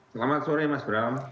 selamat sore mas bram